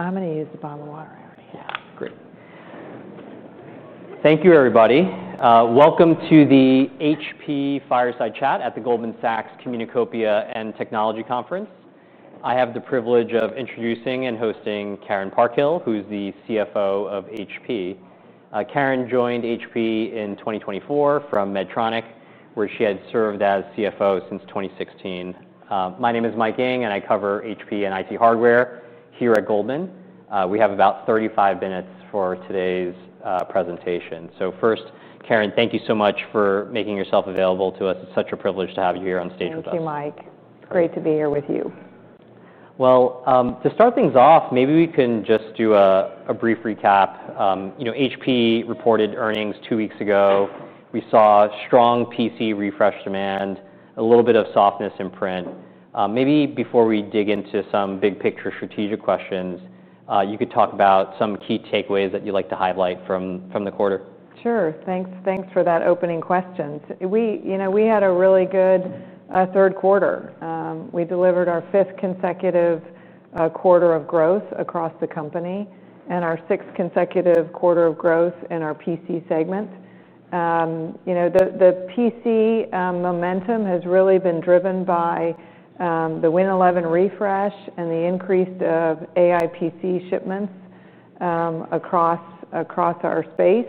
I'm going to use the bottom of the line. Yeah, great. Thank you, everybody. Welcome to the HP Fireside Chat at the Goldman Sachs Communicopia and Technology Conference. I have the privilege of introducing and hosting Karen Parkhill, who is the CFO of HP Inc. Karen joined HP Inc. in 2024 from Medtronic, where she had served as CFO since 2016. My name is Mike Yang, and I cover HP Inc. and IT hardware here at Goldman Sachs. We have about 35 minutes for today's presentation. Karen, thank you so much for making yourself available to us. It's such a privilege to have you here on stage with us. Thank you, Mike. It's great to be here with you. To start things off, maybe we can just do a brief recap. You know, HP reported earnings two weeks ago. We saw strong PC refresh demand, a little bit of softness in print. Maybe before we dig into some big picture strategic questions, you could talk about some key takeaways that you'd like to highlight from the quarter. Sure. Thanks for that opening question. We had a really good third quarter. We delivered our fifth consecutive quarter of growth across the company and our sixth consecutive quarter of growth in our PC segment. The PC momentum has really been driven by the Windows 11 refresh and the increase of AI PC shipments across our space.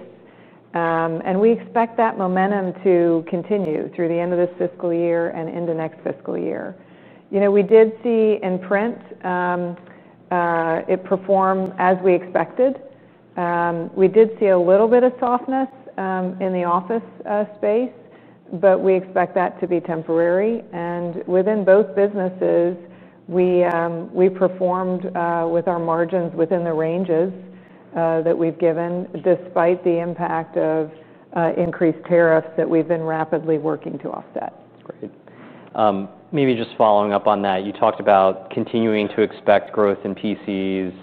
We expect that momentum to continue through the end of this fiscal year and into next fiscal year. We did see in print it perform as we expected. We did see a little bit of softness in the office space, but we expect that to be temporary. Within both businesses, we performed with our margins within the ranges that we've given, despite the impact of increased tariffs that we've been rapidly working to offset. Great. Maybe just following up on that, you talked about continuing to expect growth in PCs.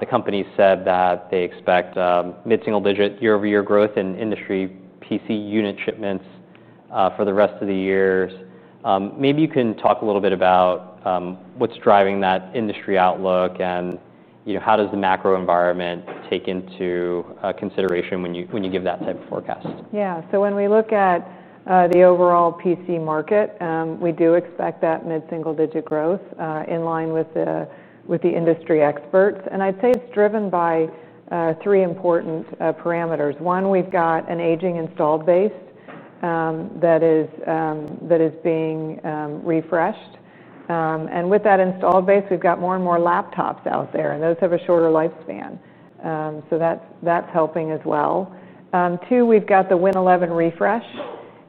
The company said that they expect mid-single-digit year-over-year growth in industry PC unit shipments for the rest of the years. Maybe you can talk a little bit about what's driving that industry outlook and how does the macro environment take into consideration when you give that type of forecast? Yeah, when we look at the overall PC market, we do expect that mid-single-digit growth in line with the industry experts. I'd say it's driven by three important parameters. One, we've got an aging installed base that is being refreshed. With that installed base, we've got more and more laptops out there, and those have a shorter lifespan. That's helping as well. Two, we've got the Windows 11 refresh.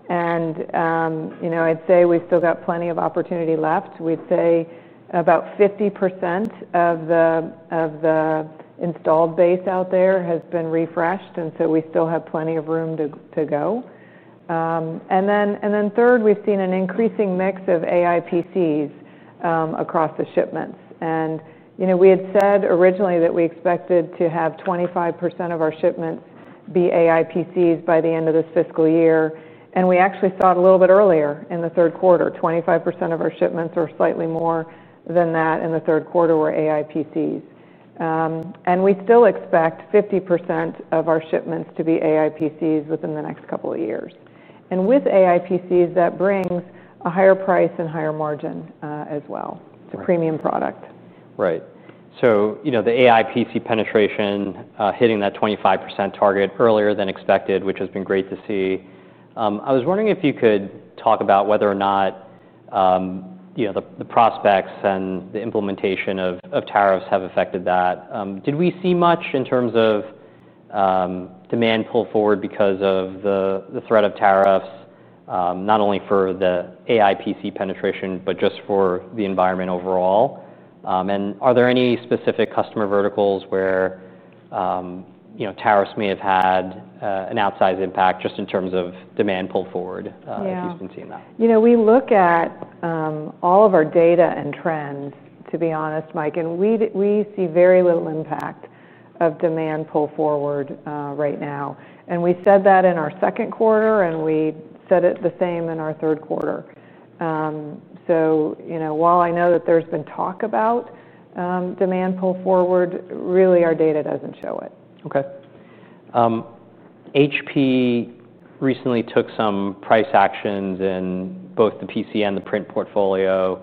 I'd say we've still got plenty of opportunity left. We'd say about 50% of the installed base out there has been refreshed, so we still have plenty of room to go. Third, we've seen an increasing mix of AI PCs across the shipments. We had said originally that we expected to have 25% of our shipments be AI PCs by the end of this fiscal year, and we actually saw it a little bit earlier in the third quarter. 25% of our shipments or slightly more than that in the third quarter were AI PCs. We still expect 50% of our shipments to be AI PCs within the next couple of years. With AI PCs, that brings a higher price and higher margin as well. It's a premium product. Right. The AI PC penetration hitting that 25% target earlier than expected, which has been great to see. I was wondering if you could talk about whether or not the prospects and the implementation of tariffs have affected that. Did we see much in terms of demand pull forward because of the threat of tariffs, not only for the AI PC penetration, but just for the environment overall? Are there any specific customer verticals where tariffs may have had an outsized impact just in terms of demand pull forward? Yeah. If you've been seeing that. You know, we look at all of our data and trends, to be honest, Mike, and we see very little impact of demand pull forward right now. We said that in our second quarter, and we said it the same in our third quarter. While I know that there's been talk about demand pull forward, really our data doesn't show it. Okay. HP recently took some price actions in both the PC and the print portfolio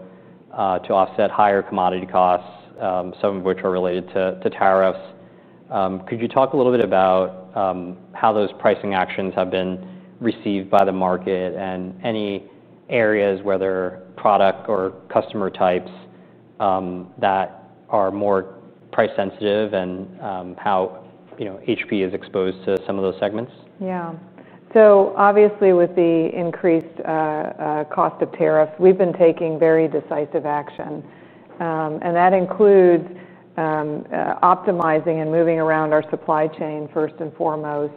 to offset higher commodity costs, some of which are related to tariffs. Could you talk a little bit about how those pricing actions have been received by the market and any areas, whether product or customer types, that are more price sensitive and how HP is exposed to some of those segments? Yeah. Obviously, with the increased cost of tariffs, we've been taking very decisive action. That includes optimizing and moving around our supply chain first and foremost.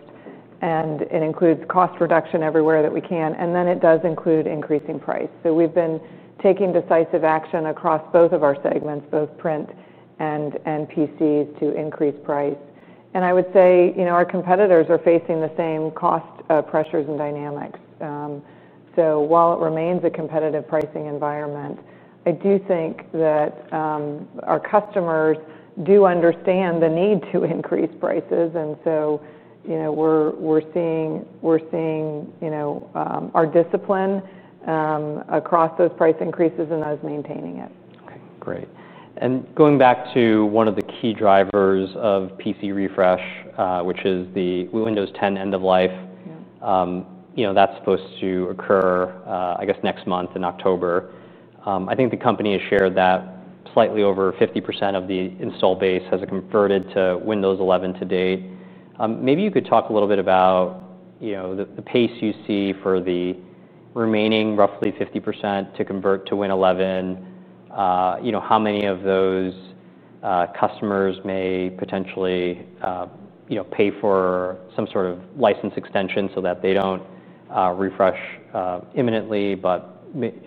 It includes cost reduction everywhere that we can, and it does include increasing price. We've been taking decisive action across both of our segments, both print and PC, to increase price. I would say our competitors are facing the same cost pressures and dynamics. While it remains a competitive pricing environment, I do think that our customers do understand the need to increase prices. We're seeing our discipline across those price increases and us maintaining it. Okay, great. Going back to one of the key drivers of PC refresh, which is the Windows 10 end of life, that's supposed to occur next month in October. I think the company has shared that slightly over 50% of the install base has converted to Windows 11 to date. Maybe you could talk a little bit about the pace you see for the remaining roughly 50% to convert to Windows 11. How many of those customers may potentially pay for some sort of license extension so that they don't refresh imminently?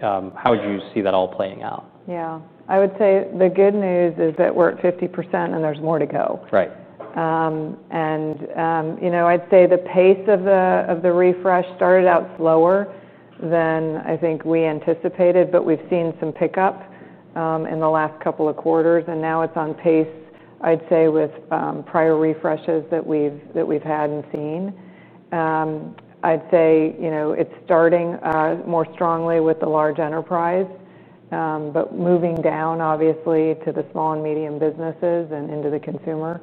How would you see that all playing out? Yeah, I would say the good news is that we're at 50% and there's more to go. Right. I'd say the pace of the refresh started out slower than I think we anticipated, but we've seen some pickup in the last couple of quarters. Now it's on pace, I'd say, with prior refreshes that we've had and seen. I'd say it's starting more strongly with the large enterprise, but moving down, obviously, to the small and medium businesses and into the consumer.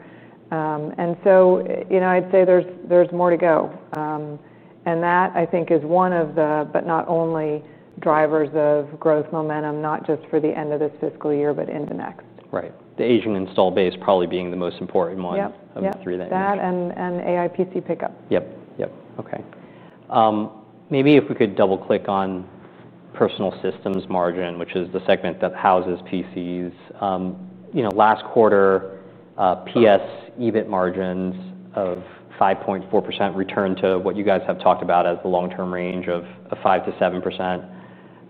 I'd say there's more to go. That, I think, is one of the, but not only, drivers of growth momentum, not just for the end of this fiscal year, but into next. Right. The aging install base probably being the most important one. Yeah. Of the three that you've mentioned. That and AI PC pickup. Okay. Maybe if we could double-click on Personal Systems margin, which is the segment that houses PCs. Last quarter, PS EBIT margins of 5.4% returned to what you guys have talked about as the long-term range of 5%- 7%.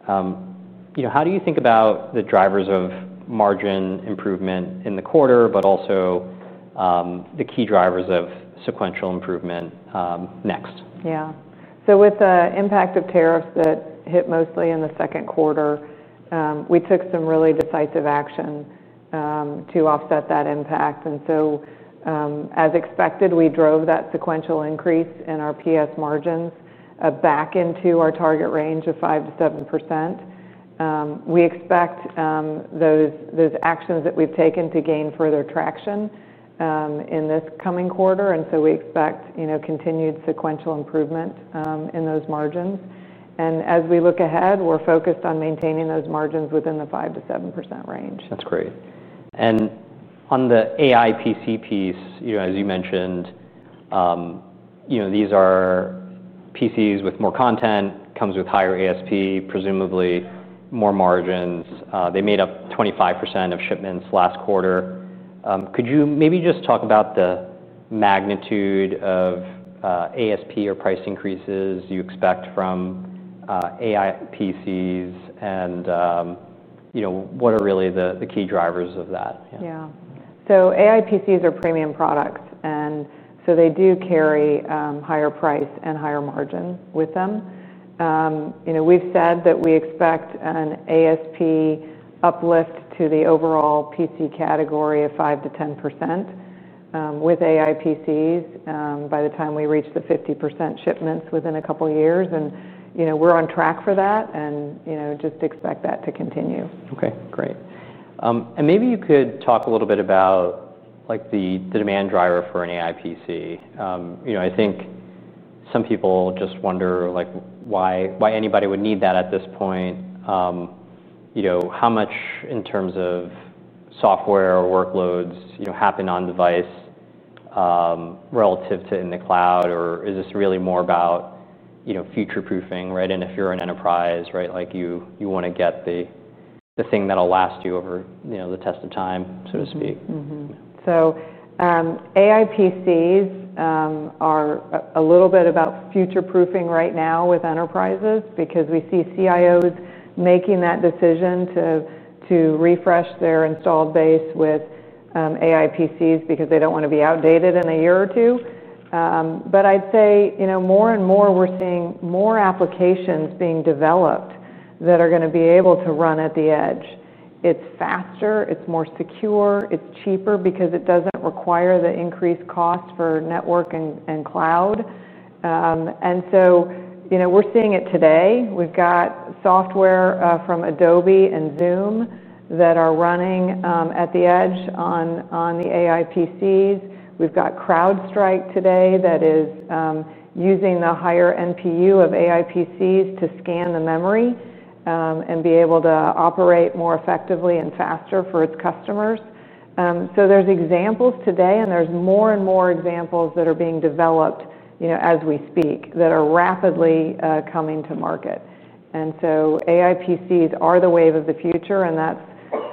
How do you think about the drivers of margin improvement in the quarter, but also the key drivers of sequential improvement next? With the impact of tariffs that hit mostly in the second quarter, we took some really decisive action to offset that impact. As expected, we drove that sequential increase in our PS margins back into our target range of 5%- 7%. We expect those actions that we've taken to gain further traction in this coming quarter. We expect continued sequential improvement in those margins. As we look ahead, we're focused on maintaining those margins within the 5%-7% range. That's great. On the AI PC piece, as you mentioned, these are PCs with more content, comes with higher ASP, presumably more margins. They made up 25% of shipments last quarter. Could you maybe just talk about the magnitude of ASP or price increases you expect from AI PCs? What are really the key drivers of that? AI PCs are premium products, and they do carry higher price and higher margin with them. We've said that we expect an ASP uplift to the overall PC category of 5%-10% with AI PCs by the time we reach the 50% shipments within a couple of years. We're on track for that, and just expect that to continue. Okay, great. Maybe you could talk a little bit about the demand driver for an AI PC. I think some people just wonder why anybody would need that at this point. How much in terms of software or workloads happen on device relative to in the cloud? Is this really more about future-proofing, right? If you're an enterprise, you want to get the thing that'll last you over the test of time, so to speak. AI PCs are a little bit about future-proofing right now with enterprises because we see CIOs making that decision to refresh their installed base with AI PCs because they don't want to be outdated in a year or two. I'd say, you know, more and more, we're seeing more applications being developed that are going to be able to run at the edge. It's faster, it's more secure, it's cheaper because it doesn't require the increased cost for network and cloud. We're seeing it today. We've got software from Adobe and Zoom that are running at the edge on the AI PCs. We've got CrowdStrike today that is using the higher NPU of AI PCs to scan the memory and be able to operate more effectively and faster for its customers. There are examples today, and there are more and more examples that are being developed, you know, as we speak that are rapidly coming to market. AI PCs are the wave of the future, and that's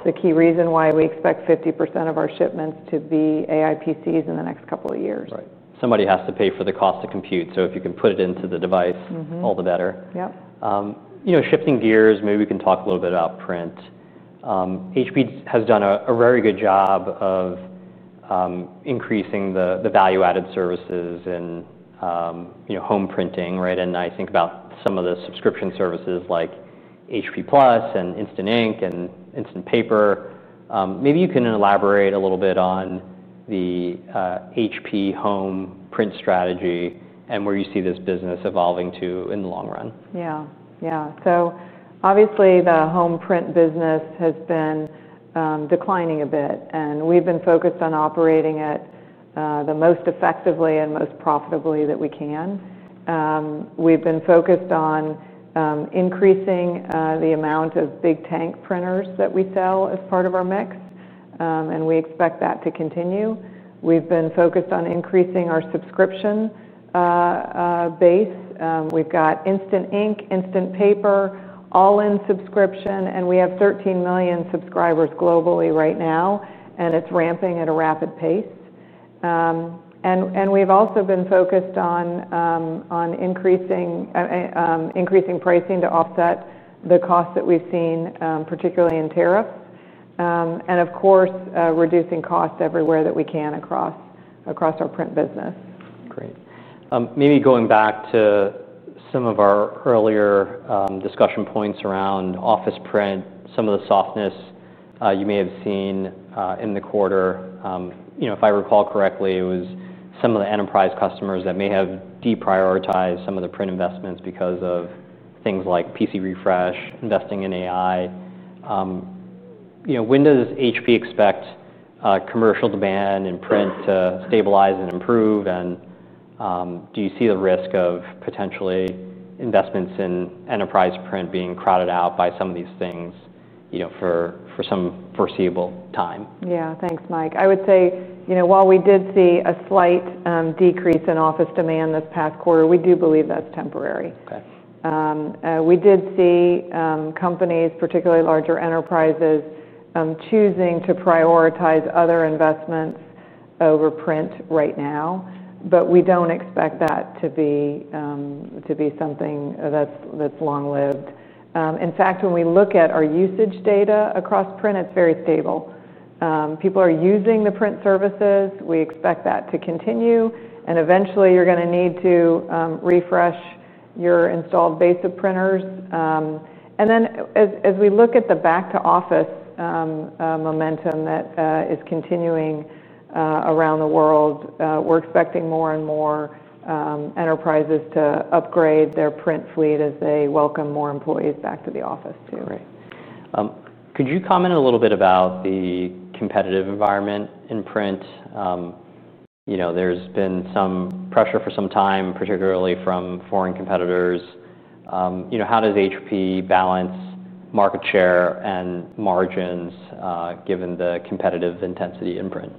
the key reason why we expect 50% of our shipments to be AI PCs in the next couple of years. Right. Somebody has to pay for the cost to compute. If you can put it into the device, all the better. Yep. You know, shifting gears, maybe we can talk a little bit about print. HP has done a very good job of increasing the value-added services in home printing, right? I think about some of the subscription services like HP+ and Instant Ink and Instant Paper. Maybe you can elaborate a little bit on the HP home print strategy and where you see this business evolving to in the long run. Obviously, the home print business has been declining a bit. We've been focused on operating it the most effectively and most profitably that we can. We've been focused on increasing the amount of big tank printers that we sell as part of our mix, and we expect that to continue. We've been focused on increasing our subscription base. We've got Instant Ink, Instant Paper, all-in subscription, and we have 13 million subscribers globally right now. It's ramping at a rapid pace. We've also been focused on increasing pricing to offset the costs that we've seen, particularly in tariffs. Of course, we're reducing costs everywhere that we can across our print business. Great. Maybe going back to some of our earlier discussion points around office print, some of the softness you may have seen in the quarter. If I recall correctly, it was some of the enterprise customers that may have deprioritized some of the print investments because of things like PC refresh, investing in AI. When does HP expect commercial demand and print to stabilize and improve? Do you see the risk of potentially investments in enterprise print being crowded out by some of these things for some foreseeable time? Yeah, thanks, Mike. I would say, you know, while we did see a slight decrease in office demand this past quarter, we do believe that's temporary. Okay. We did see companies, particularly larger enterprises, choosing to prioritize other investments over print right now. We don't expect that to be something that's long-lived. In fact, when we look at our usage data across print, it's very stable. People are using the print services. We expect that to continue. Eventually, you're going to need to refresh your installed base of printers. As we look at the back-to-office momentum that is continuing around the world, we're expecting more and more enterprises to upgrade their print fleet as they welcome more employees back to the office too. Right. Could you comment a little bit about the competitive environment in print? You know, there's been some pressure for some time, particularly from foreign competitors. How does HP balance market share and margins given the competitive intensity in print?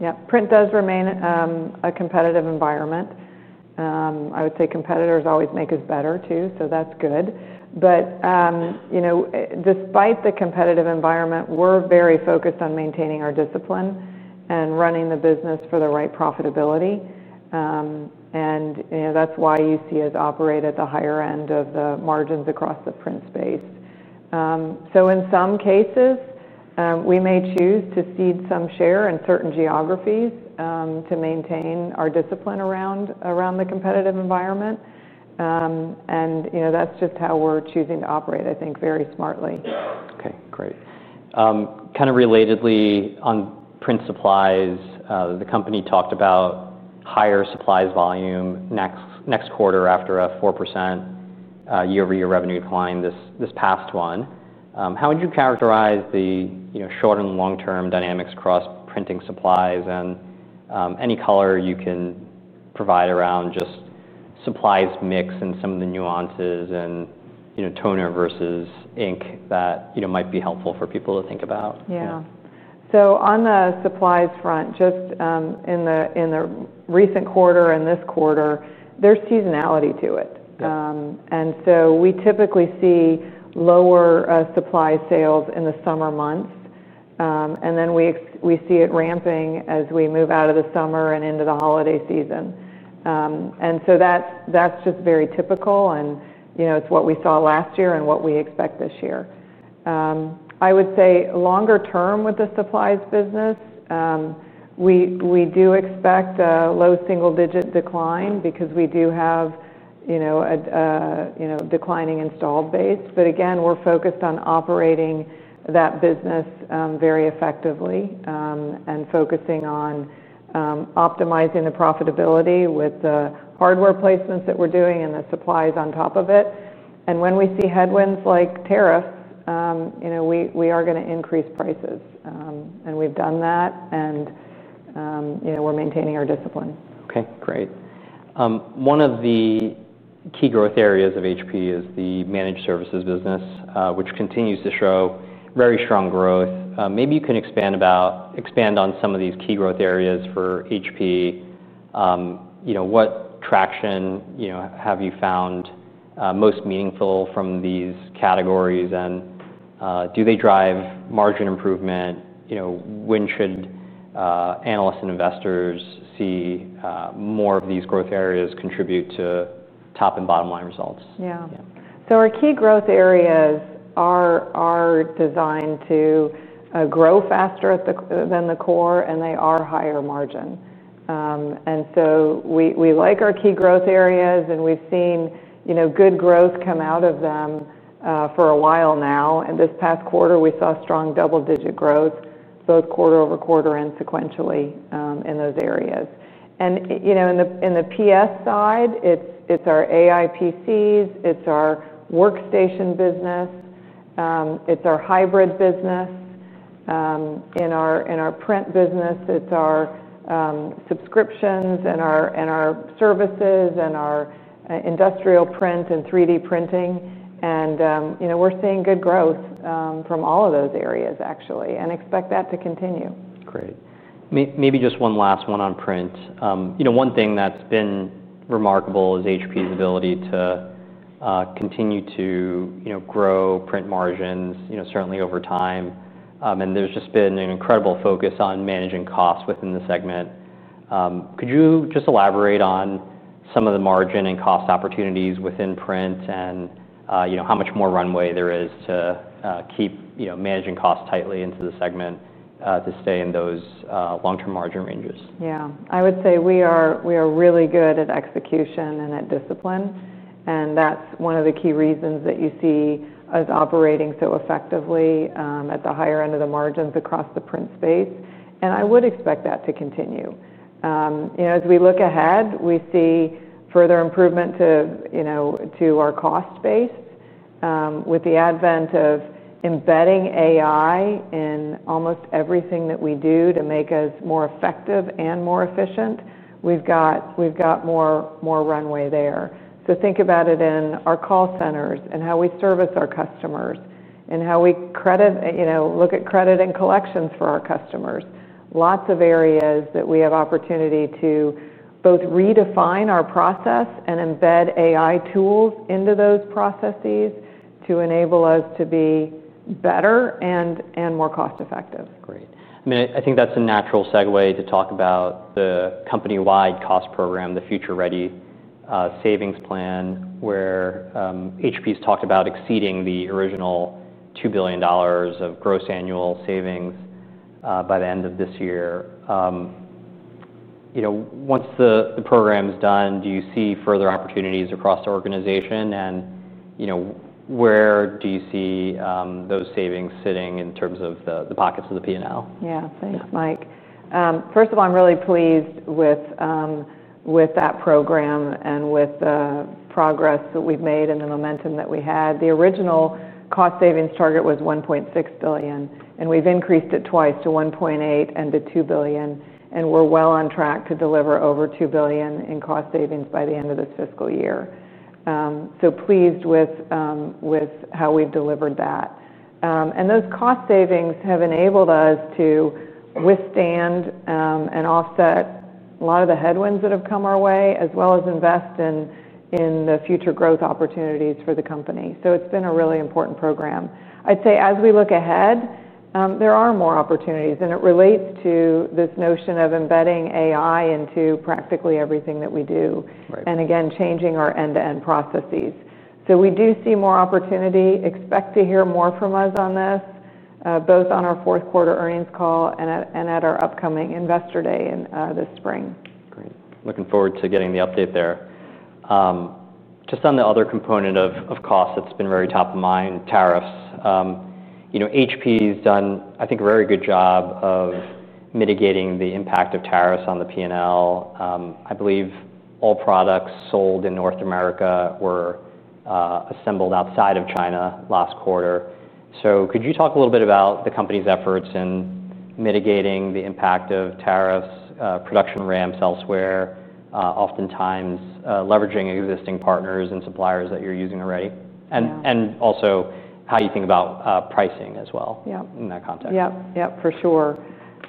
Yeah, print does remain a competitive environment. I would say competitors always make us better too, so that's good. Despite the competitive environment, we're very focused on maintaining our discipline and running the business for the right profitability. That's why you see us operate at the higher end of the margins across the print space. In some cases, we may choose to cede some share in certain geographies to maintain our discipline around the competitive environment. That's just how we're choosing to operate, I think, very smartly. Okay, great. Kind of relatedly, on print supplies, the company talked about higher supplies volume next quarter after a 4% year-over-year revenue decline this past one. How would you characterize the short and long-term dynamics across printing supplies, and any color you can provide around just supplies mix and some of the nuances in toner versus ink that might be helpful for people to think about? Yeah. On the supplies front, just in the recent quarter and this quarter, there's seasonality to it. We typically see lower supply sales in the summer months, and then we see it ramping as we move out of the summer and into the holiday season. That's just very typical. It's what we saw last year and what we expect this year. I would say longer term with the supplies business, we do expect a low single-digit decline because we do have a declining installed base. Again, we're focused on operating that business very effectively and focusing on optimizing the profitability with the hardware placements that we're doing and the supplies on top of it. When we see headwinds like tariffs, we are going to increase prices. We've done that, and we're maintaining our discipline. Okay, great. One of the key growth areas of HP is the managed services business, which continues to show very strong growth. Maybe you can expand on some of these key growth areas for HP. What traction have you found most meaningful from these categories? Do they drive margin improvement? When should analysts and investors see more of these growth areas contribute to top and bottom line results? Our key growth areas are designed to grow faster than the core, and they are higher margin. We like our key growth areas, and we've seen good growth come out of them for a while now. This past quarter, we saw strong double-digit growth, both quarter over quarter and sequentially in those areas. On the Personal Systems side, it's our AI PCs, our workstation business, and our hybrid business. In our print business, it's our subscriptions, our services, our industrial print, and 3D printing. We're seeing good growth from all of those areas, actually, and expect that to continue. Great. Maybe just one last one on print. One thing that's been remarkable is HP's ability to continue to grow print margins, certainly over time. There's just been an incredible focus on managing costs within the segment. Could you just elaborate on some of the margin and cost opportunities within print and how much more runway there is to keep managing costs tightly into the segment to stay in those long-term margin ranges? Yeah, I would say we are really good at execution and at discipline. That's one of the key reasons that you see us operating so effectively at the higher end of the margins across the print space. I would expect that to continue. As we look ahead, we see further improvement to our cost space. With the advent of embedding AI in almost everything that we do to make us more effective and more efficient, we've got more runway there. Think about it in our call centers and how we service our customers and how we look at credit and collections for our customers. Lots of areas that we have opportunity to both redefine our process and embed AI tools into those processes to enable us to be better and more cost-effective. Great. I mean, I think that's a natural segue to talk about the company-wide cost program, the Future Ready Savings Plan, where HP's talked about exceeding the original $2 billion of gross annual savings by the end of this year. Once the program's done, do you see further opportunities across the organization? Where do you see those savings sitting in terms of the pockets of the P&L? Yeah, thanks, Mike. First of all, I'm really pleased with that program and with the progress that we've made and the momentum that we had. The original cost savings target was $1.6 billion. We've increased it twice to $1.8 and to $2 billion. We're well on track to deliver over $2 billion in cost savings by the end of this fiscal year. I'm pleased with how we've delivered that. Those cost savings have enabled us to withstand and offset a lot of the headwinds that have come our way, as well as invest in the future growth opportunities for the company. It's been a really important program. I'd say as we look ahead, there are more opportunities. It relates to this notion of embedding AI into practically everything that we do, and again, changing our end-to-end processes. We do see more opportunity. Expect to hear more from us on this, both on our fourth quarter earnings call and at our upcoming Investor Day in the spring. Great. Looking forward to getting the update there. Just on the other component of cost that's been very top of mind, tariffs. HP's done, I think, a very good job of mitigating the impact of tariffs on the P&L. I believe all products sold in North America were assembled outside of China last quarter. Could you talk a little bit about the company's efforts in mitigating the impact of tariffs, production ramps elsewhere, oftentimes leveraging existing partners and suppliers that you're using already? Also, how you think about pricing as well in that context. Yep, yep, for sure.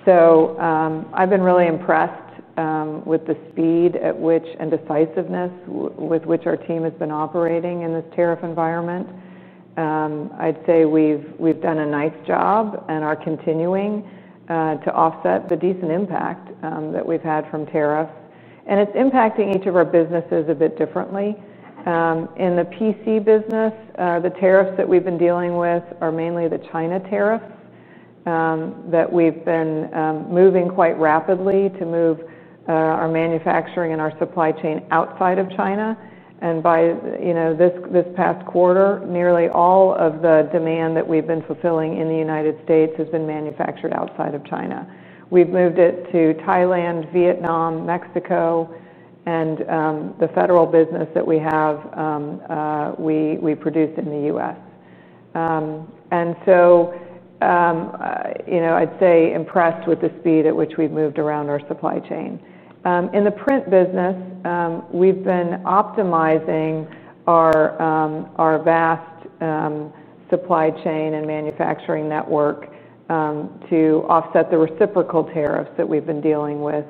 I've been really impressed with the speed and decisiveness with which our team has been operating in the tariff environment. I'd say we've done a nice job and are continuing to offset the decent impact that we've had from tariffs. It's impacting each of our businesses a bit differently. In the PC business, the tariffs that we've been dealing with are mainly the China tariffs. We've been moving quite rapidly to move our manufacturing and our supply chain outside of China. By this past quarter, nearly all of the demand that we've been fulfilling in the U.S. has been manufactured outside of China. We've moved it to Thailand, Vietnam, Mexico, and the federal business that we have, we produced in the U.S. I'd say I'm impressed with the speed at which we've moved around our supply chain. In the print business, we've been optimizing our vast supply chain and manufacturing network to offset the reciprocal tariffs that we've been dealing with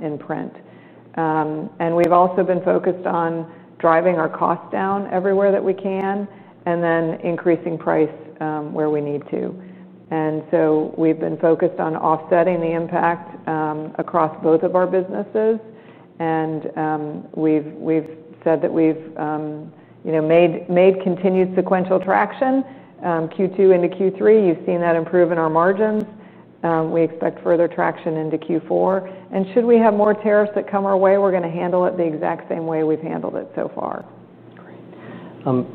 in print. We've also been focused on driving our costs down everywhere that we can and increasing price where we need to. We've been focused on offsetting the impact across both of our businesses. We've said that we've made continued sequential traction Q2 into Q3. You've seen that improve in our margins. We expect further traction into Q4. Should we have more tariffs that come our way, we're going to handle it the exact same way we've handled it so far. Great.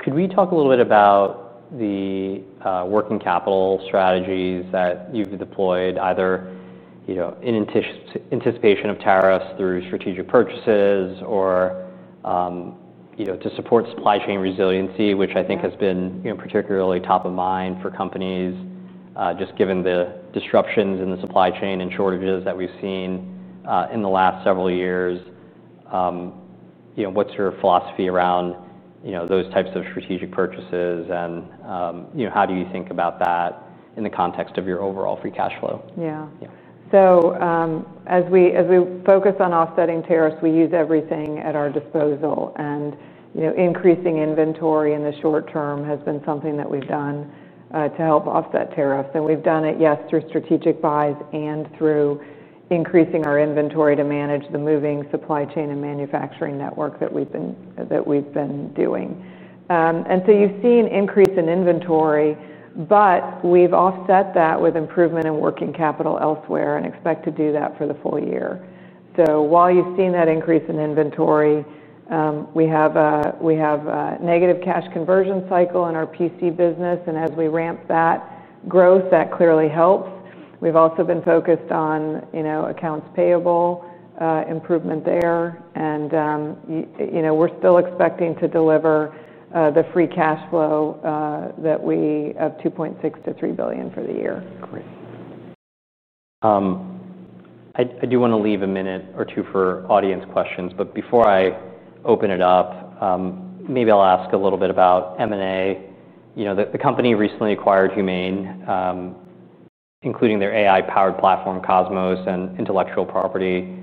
Could we talk a little bit about the working capital strategies that you've deployed either, you know, in anticipation of tariffs through strategic purchases or to support supply chain resiliency, which I think has been particularly top of mind for companies just given the disruptions in the supply chain and shortages that we've seen in the last several years? What's your philosophy around those types of strategic purchases? How do you think about that in the context of your overall free cash flow? Yeah. As we focus on offsetting tariffs, we use everything at our disposal. Increasing inventory in the short term has been something that we've done to help offset tariffs. We've done it through strategic buys and through increasing our inventory to manage the moving supply chain and manufacturing network that we've been doing. You see an increase in inventory, but we've offset that with improvement in working capital elsewhere and expect to do that for the full year. While you've seen that increase in inventory, we have a negative cash conversion cycle in our PC business, and as we ramp that growth, that clearly helps. We've also been focused on accounts payable improvement there. We're still expecting to deliver the free cash flow that we have, $2.6 to $3 billion for the year. Great. I do want to leave a minute or two for audience questions. Before I open it up, maybe I'll ask a little bit about M&A. The company recently acquired Humane, including their AI-powered platform, Cosmos AI, and intellectual property.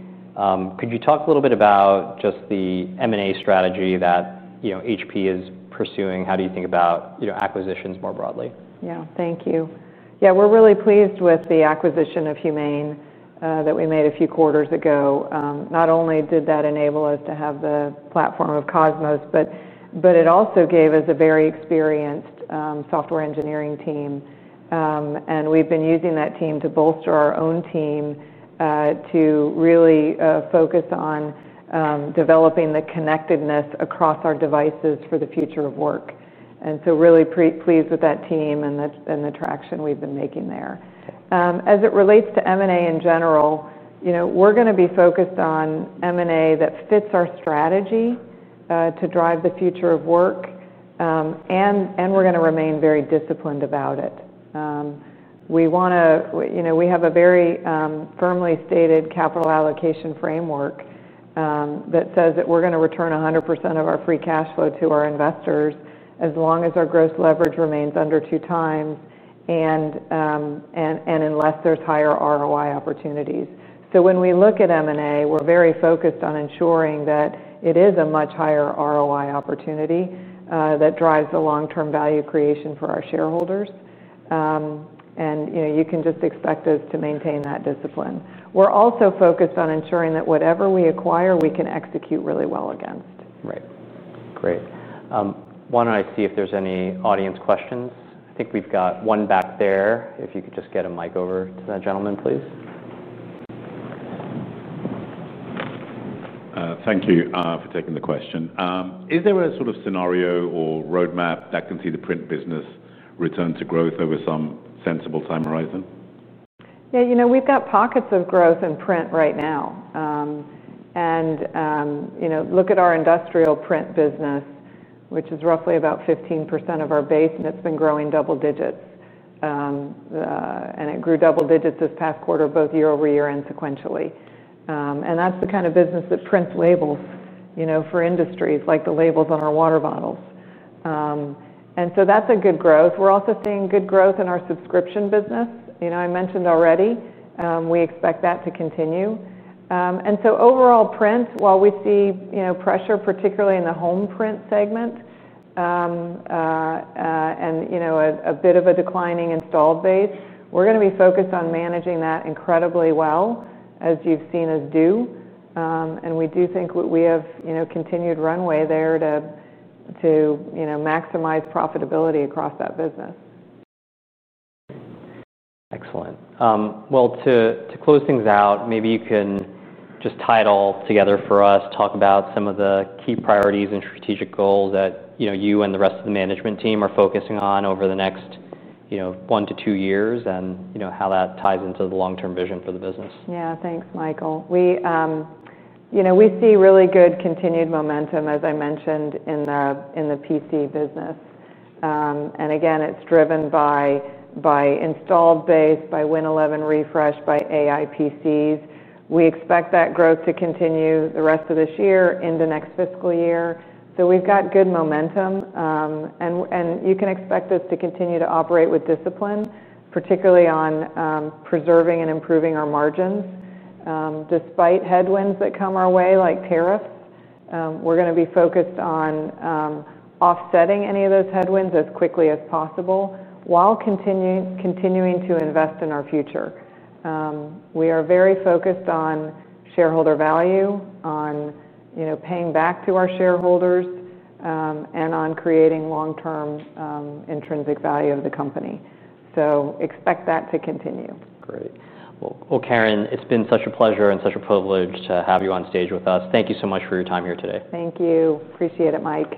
Could you talk a little bit about just the M&A strategy that HP is pursuing? How do you think about acquisitions more broadly? Yeah, thank you. Yeah, we're really pleased with the acquisition of Humane that we made a few quarters ago. Not only did that enable us to have the platform of Cosmos AI, but it also gave us a very experienced software engineering team. We've been using that team to bolster our own team to really focus on developing the connectedness across our devices for the future of work. We're really pleased with that team and the traction we've been making there. As it relates to M&A in general, we're going to be focused on M&A that fits our strategy to drive the future of work. We're going to remain very disciplined about it. We have a very firmly stated capital allocation framework that says that we're going to return 100% of our free cash flow to our investors as long as our gross leverage remains under two times and unless there's higher ROI opportunities. When we look at M&A, we're very focused on ensuring that it is a much higher ROI opportunity that drives the long-term value creation for our shareholders. You can just expect us to maintain that discipline. We're also focused on ensuring that whatever we acquire, we can execute really well against. Right. Great. Why don't I see if there's any audience questions? I think we've got one back there. If you could just get a mic over to that gentleman, please. Thank you for taking the question. Is there a sort of scenario or roadmap that can see the print business return to growth over some sensible time horizon? Yeah, you know, we've got pockets of growth in print right now. You know, look at our industrial print business, which is roughly about 15% of our base, and it's been growing double digits. It grew double digits this past quarter, both year-over-year and sequentially. That's the kind of business that prints labels, you know, for industries, like the labels on our water bottles. That's a good growth. We're also seeing good growth in our subscription business. You know, I mentioned already, we expect that to continue. Overall print, while we see, you know, pressure, particularly in the home print segment and, you know, a bit of a declining installed base, we're going to be focused on managing that incredibly well, as you've seen us do. We do think we have, you know, continued runway there to, you know, maximize profitability across that business. Excellent. To close things out, maybe you can just tie it all together for us, talk about some of the key priorities and strategic goals that you and the rest of the management team are focusing on over the next one to two years, and how that ties into the long-term vision for the business. Yeah, thanks, Mike. We see really good continued momentum, as I mentioned, in the PC business. It's driven by installed base, by Windows 11 refresh, by AI PCs. We expect that growth to continue the rest of this year, into next fiscal year. We've got good momentum, and you can expect us to continue to operate with discipline, particularly on preserving and improving our margins. Despite headwinds that come our way, like tariffs, we're going to be focused on offsetting any of those headwinds as quickly as possible while continuing to invest in our future. We are very focused on shareholder value, on paying back to our shareholders, and on creating long-term intrinsic value of the company. Expect that to continue. Great. Karen, it's been such a pleasure and such a privilege to have you on stage with us. Thank you so much for your time here today. Thank you. Appreciate it, Mike.